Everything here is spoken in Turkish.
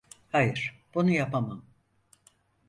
Hayır, bunu yapamam.